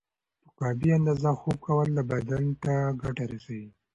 په کافی اندازه خوب کول بدن ته ګټه رسوی